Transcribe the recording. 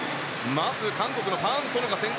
まず韓国のファン・ソヌが先行。